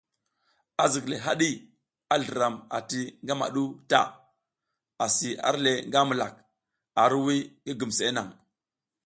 Azikle haɗi, i zliram ati ngamaɗu ta, asi arle nga milak, a hirwuy ngi gumseʼe nang.